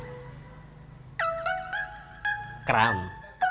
gak kehane ppb